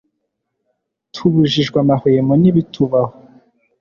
tubujijwe amahwemo nibitubaho